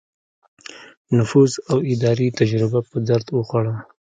نفوذ او اداري تجربه په درد وخوړه.